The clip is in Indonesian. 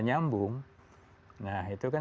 nyambung nah itu kan